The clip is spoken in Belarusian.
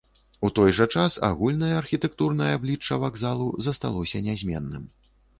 У той жа час агульнае архітэктурнае аблічча вакзалу засталося нязменным.